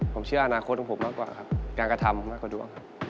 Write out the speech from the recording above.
ผมเชื่ออนาคตของผมมากกว่าครับการกระทำมากกว่าดวงครับ